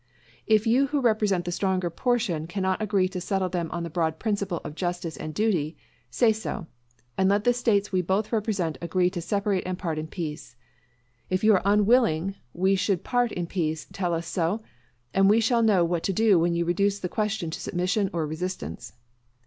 If you who represent the stronger portion cannot agree to settle them on the broad principle of justice and duty, say so; and let the States we both represent agree to separate and part in peace. If you are unwilling we should part in peace, tell us so, and we shall know what to do when you reduce the question to submission or resistance.